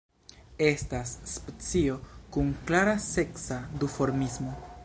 Estas specio kun klara seksa duformismo.